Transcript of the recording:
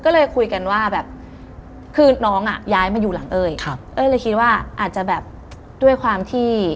แล้วแบบยังไม่ได้ซ่อมบ่อยมาก